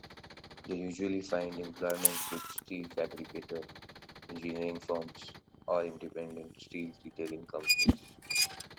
They usually find employment with steel fabricators, engineering firms, or independent steel detailing companies.